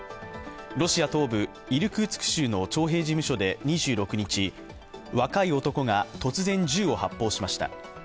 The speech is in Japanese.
ロシア東部イルクーツク州の徴兵事務所で２６日、若い男が突然、銃を発砲しました。